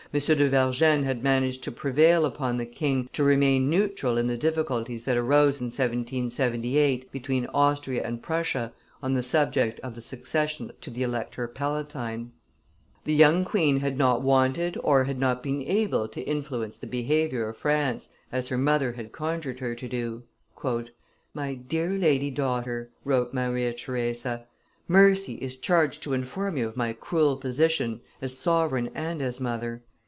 de Vergennes had managed to prevail upon the king to remain neutral in the difficulties that arose in 1778 between Austria and Prussia on the subject of the succession to the elector palatine; the young queen had not wanted or had not been able to influence the behavior of France, as her mother had conjured her to do. "My dear lady daughter," wrote Maria Theresa, "Mercy is charged to inform you of my cruel position, as sovereign and as mother.